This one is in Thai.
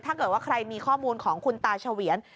ถ้าเกิดว่าใครมีข้อมูลของคุณตาเฉวียน